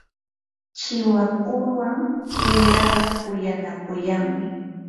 chiwakuwan tuyaqa kuyanakuyanmi.